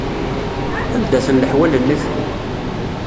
Anda-ten leḥwal-nnek?